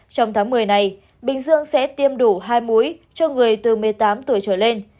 trong tháng một mươi này bình dương sẽ tiêm đủ hai mũi cho người từ một mươi tám tuổi trở lên